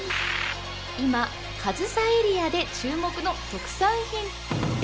今かずさエリアで注目の特産品。